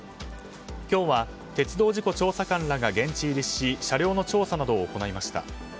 今日は鉄道事故調査官らが現地入りし車両の調査などを行いました。